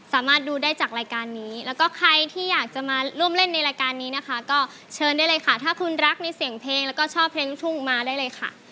สามารถดูได้จากรายการนี้แล้วก็ใครที่อยากจะมาร่วมเล่นในรายการนี้นะคะก็เชิญได้เลยค่ะถ้าคุณรักในเสียงเพลงแล้วก็ชอบเพลงลูกทุ่งมาได้เลยค่ะ